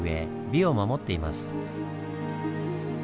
美を守っています。